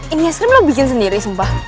ini es krim lo bikin sendiri sumpah